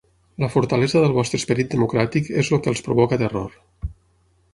La fortalesa del vostre esperit democràtic és el que els provoca terror.